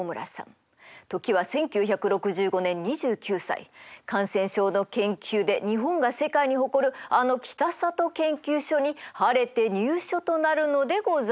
時は１９６５年２９歳感染症の研究で日本が世界に誇るあの北里研究所に晴れて入所となるのでございます。